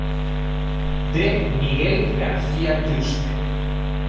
D. Miguel García Yuste.